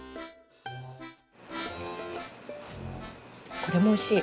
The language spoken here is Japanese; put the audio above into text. これもおいしい。